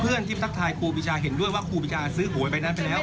เพื่อนที่ทักทายครูปีชาเห็นด้วยว่าครูปีชาซื้อหวยใบนั้นไปแล้ว